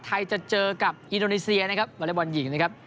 ไทยจะเจอกับอินโดนีเซียนะครับวอเล็กบอลหญิงนะครับ